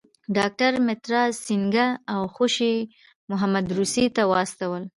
ډاکټر مترا سینګه او خوشي محمد روسیې ته واستول.